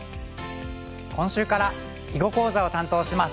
今週から囲碁講座を担当します。